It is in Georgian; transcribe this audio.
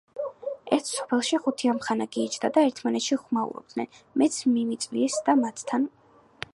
ერთ სოფელში, ხუთი ამხანაგი ისხდა და ერთმანეთში ხუმრობდნენ. მეც მიმიწვიეს და მათთან